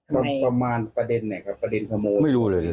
ประมาณประเด็นไหนครับประเด็นขโมงไม่รู้เลยเลย